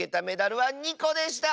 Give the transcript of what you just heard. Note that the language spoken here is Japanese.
はいここでした！